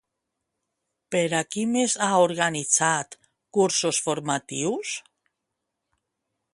Per a qui més ha organitzat cursos formatius?